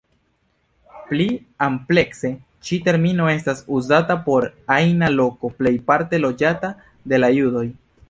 Pli amplekse ĉi termino estas uzata por ajna loko plejparte loĝata de la judoj.